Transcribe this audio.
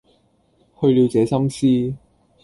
去了這心思，